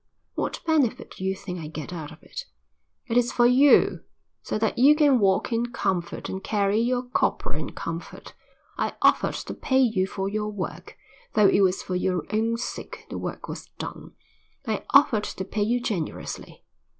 What benefit do you think I get out of it? It is for you, so that you can walk in comfort and carry your copra in comfort. I offered to pay you for your work, though it was for your own sake the work was done. I offered to pay you generously.